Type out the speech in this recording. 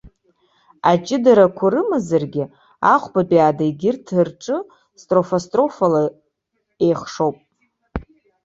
Аҷыдарақәа рымазаргьы, ахәбатәи ада егьырҭ рҿы строфа-строфала еихшоуп.